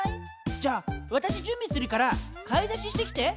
じゃあわたしじゅんびするから買い出ししてきて！